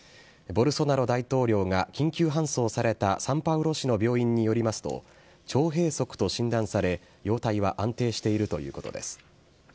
ボルソナロ大統領が緊急搬送されたサンパウロ市の病院によりますと、腸閉塞と診断され、容体は安定しているということです。